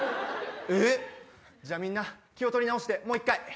えっ⁉じゃあみんな気を取り直してもう１回。